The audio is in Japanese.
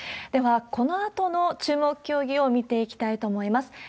では、このあとの注目競技を見ていきたいと思います。